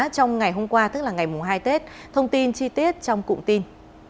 trong ngày hôm qua tức là ngày mùng hai tết thông tin chi tiết trong cụm tin